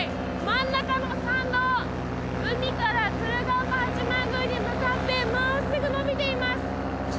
真ん中の参道海から鶴岡八幡宮に向かって真っすぐ延びています！